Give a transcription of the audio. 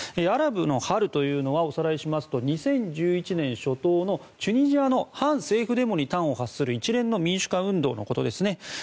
アラブの春というのはおさらいしますと２０１１年初頭のチュニジアの反政府デモに端を発する一連の民主化運動のことですね。